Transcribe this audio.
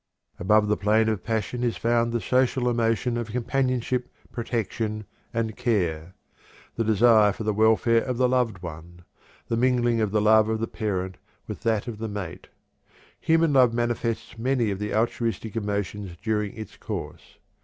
Above the plane of passion is found the social emotion of companionship, protection, and care; the desire for the welfare of the loved one; the mingling of the love of the parent with that of the mate. Human love manifests many of the altruistic emotions during its course.